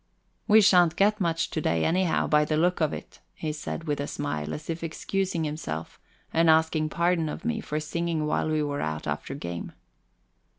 "We shan't get much to day anyhow, by the look of it," he said, with a smile, as if excusing himself, and asking pardon of me for singing while we were out after game.